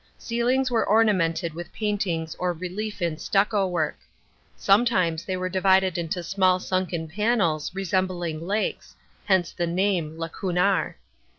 Ceilings were ornamented with paintings or relief in stucco work. Sometimes they were divided into small sunken panels resembling lakes (whence the name lacunar).